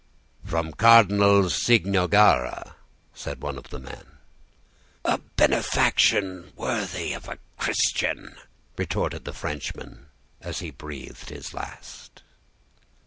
"'From Cardinal Cicognara,' said one of the men. "'A benefaction worthy of a Christian,' retorted the Frenchman, as he breathed his last.